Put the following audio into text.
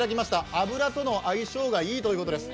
油との相性がいいということです。